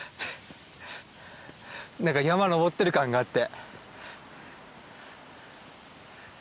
何か山登ってる感があって。